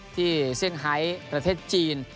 ที่สิ้นไฮประเทศจีน